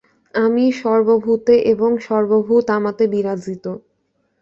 আমি সর্বভূতে এবং সর্বভূত আমাতে বিরাজিত।